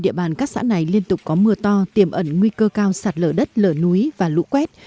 địa bàn các xã này liên tục có mưa to tiềm ẩn nguy cơ cao sạt lở đất lở núi và lũ quét